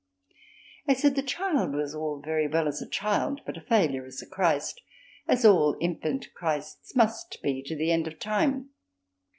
I said the Child was all very well as a child but a failure as a Christ, as all infant Christs must be to the end of time.